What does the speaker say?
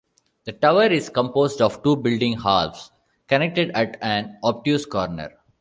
The tower is composed of two building halves connected at an obtuse corner.